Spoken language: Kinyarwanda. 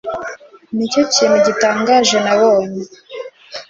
Nicyo kintu gitangaje nabonye